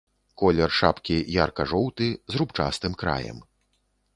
Колер шапкі ярка-жоўты, з рубчастым краем.